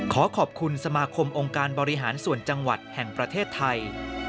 ขอขอบคุณสมาคมองค์การบริหารส่วนจังหวัดแห่งประเทศไทย